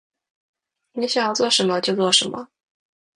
你想要做什么？就做什么